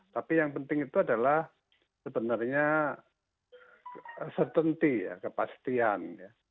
tapi yang penting itu adalah sebenarnya setentu ya kepastian